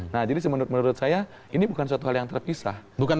nah jadi menurut saya ini bukan suatu hal yang terpisah